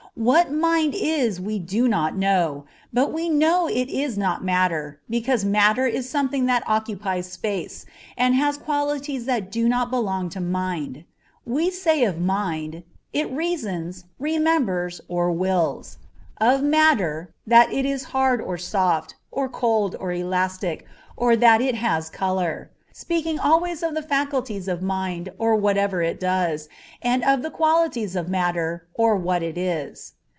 What mind is we do not know, but we know it is not matter, because matter is something that occupies space, and has qualities that do not belong to mind. We say of mind, it reasons, remembers, or wills; of matter, that it is hard or soft, or cold or elastic, or that it has color; speaking always of the faculties of mind or what it does, and of the qualities of matter, or what it is.